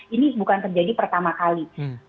ini bukan terjadi pertama kali